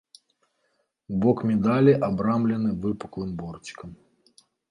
Бок медалі абрамлены выпуклым борцікам.